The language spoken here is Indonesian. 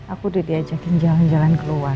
aku udah diajakin jalan jalan keluar